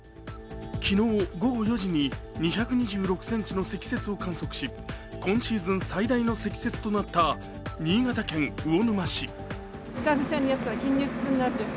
昨日午後４時に２２６ｃｍの積雪を観測し今シーズン最大の積雪となった新潟県魚沼市。